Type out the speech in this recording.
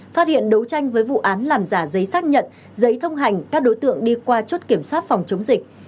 phát hiện đấu tranh với vụ án làm giả giấy xác nhận giấy thông hành các đối tượng đi qua chốt kiểm soát phòng chống dịch